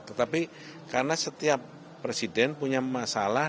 tetapi karena setiap presiden punya masalah